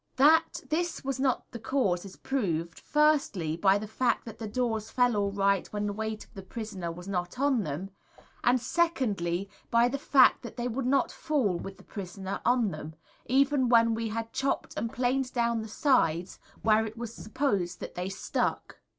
That this was not the cause is proved, firstly, by the fact that the doors fell all right when the weight of the prisoner was not on them, and secondly, by the fact that they would not fall with the prisoner on them, even when we had chopped and planed down the sides where it was supposed that they stuck.